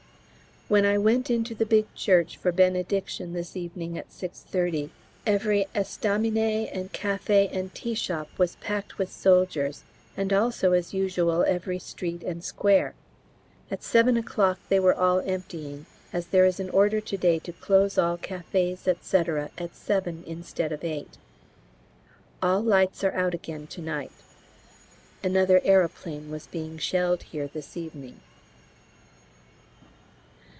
When I went into the big church for benediction this evening at 6.30, every estaminet and café and tea shop was packed with soldiers, and also as usual every street and square. At seven o'clock they were all emptying, as there is an order to day to close all cafés, &c, at seven instead of eight. All lights are out again to night. Another aeroplane was being shelled here this evening.